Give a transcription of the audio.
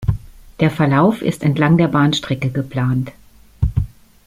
Der Verlauf ist entlang der Bahnstrecke geplant.